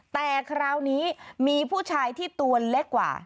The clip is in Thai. แต่คราวนี้มีผู้ชายที่ตัวเล็กกว่า